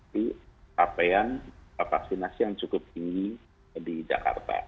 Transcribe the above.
di capaian vaksinasi yang cukup tinggi di jakarta